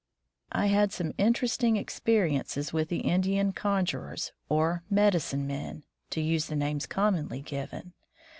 I had some interesting experiences with the Indian conjurers, or ^'medicine men," to use the names commonly given.